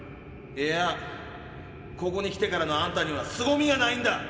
いやここに来てからのあんたにはすごみがないんだ！